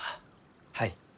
はい。